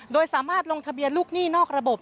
โดยสามารถลงทะเบียนลูกหนี้นอกระบบ